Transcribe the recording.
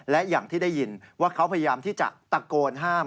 และอย่างที่ได้ยินว่าเขาพยายามที่จะตะโกนห้าม